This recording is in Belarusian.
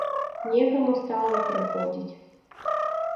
Некаму стала й прыходзіць.